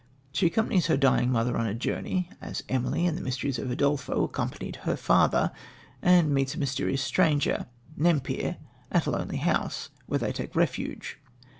She accompanies her dying mother on a journey, as Emily in The Mysteries of Udolpho accompanied her father, and meets a mysterious stranger, Nempère, at a lonely house, where they take refuge.